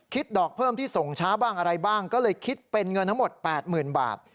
ดอกเพิ่มที่ส่งช้าบ้างอะไรบ้างก็เลยคิดเป็นเงินทั้งหมด๘๐๐๐บาท